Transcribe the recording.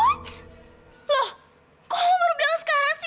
lho kok baru bilang sekarang sih